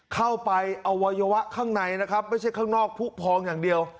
เข้าไปอวัยวะข้างในนะครับไม่ใช่ข้างนอกผู้พองอย่างเดียว